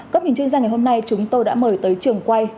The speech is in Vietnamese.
các bình chương gia ngày hôm nay chúng tôi đã mời tới trường quan